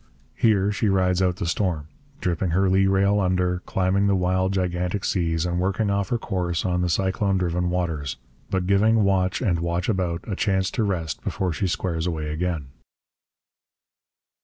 Here she rides out the storm, dipping her lee rail under, climbing the wild, gigantic seas, and working off her course on the cyclone driven waters; but giving watch and watch about a chance to rest before she squares away again.